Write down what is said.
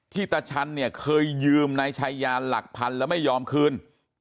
ตาชันเนี่ยเคยยืมนายชายาหลักพันแล้วไม่ยอมคืน